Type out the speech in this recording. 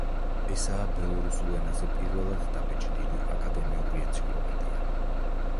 ესაა ბელორუსულ ენაზე პირველად დაბეჭდილი აკადემიური ენციკლოპედია.